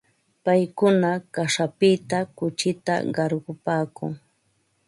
Paykuna kaćhapita kuchita qarqupaakun.